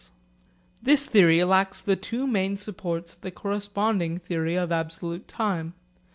S.A. This theory lacks the two main supports of the corresponding theory of absolute time.